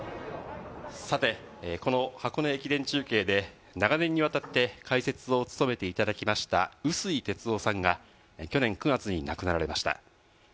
さて、この箱根駅伝中継で長年にわたって解説を務めていただきました碓井哲雄さんが去年９月に亡くなられました。